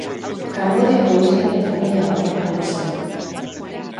Kanbodiako iheslarien familia batean jaio zen.